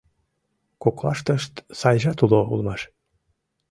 Коклаштышт сайжат уло улмаш...